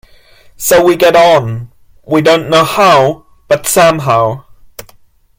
So we get on, we don't know how, but somehow.